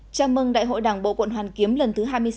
chào mừng đại hội đảng bộ quận hoàn kiếm lần thứ hai mươi sáu